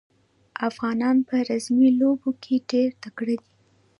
افغانان په رزمي لوبو کې ډېر تکړه دي.